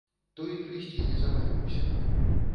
Той прыйсці не забавіўся.